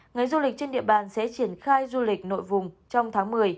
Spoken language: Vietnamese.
ngành du lịch trên địa bàn sẽ triển khai du lịch nội vùng trong tháng một mươi